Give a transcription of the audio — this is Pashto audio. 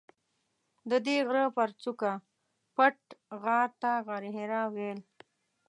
ددې غره پر څوکه پټ غار ته غارحرا ویل.